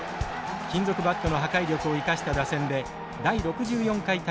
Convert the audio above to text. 金属バットの破壊力を生かした打線で第６４回大会で優勝。